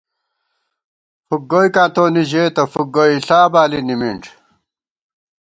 فُک گوئیکاں تونی ژېتہ، فُک گوئیݪا بالی نِمِنݮ